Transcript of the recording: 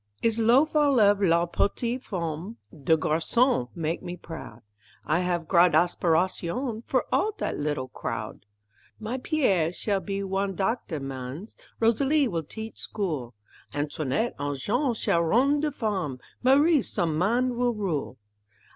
I's lof' all of la petite femme, De garçon mak' me proud, I haf gr'ad aspiratione For all dat little crowd; My Pierre shall be wan doctor mans, Rosalie will teach school, Antoine an' Jeanne shall rone de farm, Marie som' man will rule.